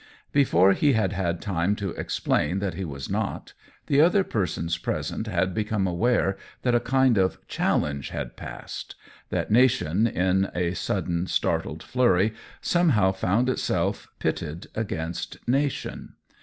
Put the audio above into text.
Before he had had time to explain that he was not, the other persons present had be come aware that a kind of challenge had passed — that nation, in a sudden, startled flurry, somehow found itself pitted against nation.